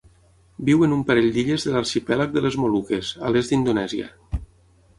Viu en un parell d'illes de l'arxipèlag de les Moluques, a l'est d'Indonèsia.